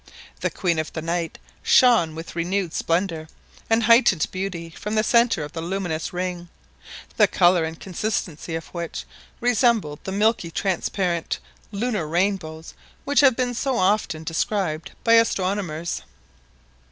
The queen of the night shone with renewed splendour and heightened beauty from the centre of the luminous ring, the colour and consistency of which resembled the milky transparent lunar rainbows which have been so often described by astronomers.